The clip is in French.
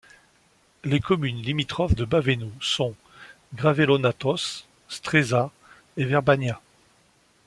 Les communes limitrophes de Baveno sont Gravellona Toce, Stresa et Verbania.